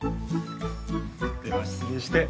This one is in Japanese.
では失礼して。